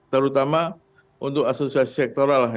terutama untuk asosiasi sektoral lah